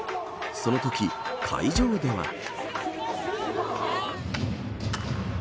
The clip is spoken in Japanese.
そのとき、会場では。